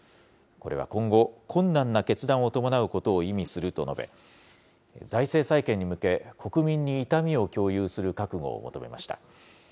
これは今後、困難な決断を伴うことを意味すると述べ、財政再建に向け、国民に痛みを共有する覚悟を求めました。